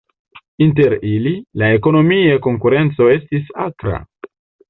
Inter ili, la ekonomia konkurenco estis akra.